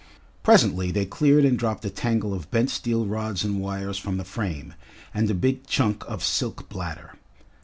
Presently they cleared and dropped a tangle of bent steel rods and wires from the frame, and a big chunk of silk bladder.